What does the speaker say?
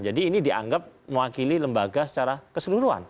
jadi ini dianggap mewakili lembaga secara keseluruhan